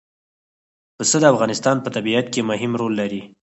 پسه د افغانستان په طبیعت کې مهم رول لري.